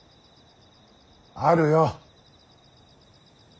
あるよ。